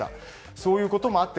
そういうこともあって